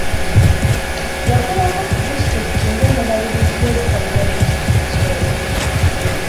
Yakolako ku disitulikiti ng'omubalirizi w'ebitabo bya disitulikiti eyo